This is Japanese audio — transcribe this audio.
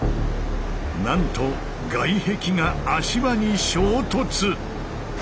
なんと外壁が足場に衝突。